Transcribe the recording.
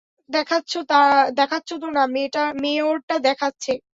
দেখাচ্ছো তো না, মেয়ের টা দেখাচ্ছে।